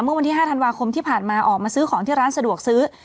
เมื่อวันที่๕ธันวาคมที่ผ่านมาออกมาซื้อของที่ร้านสะดวกซื้อ